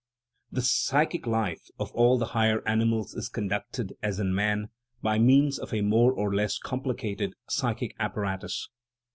The psychic life of all the higher animals is conducted, as in man, by means of a more or less complicated "psychic apparatus."